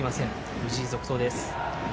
藤井続投です。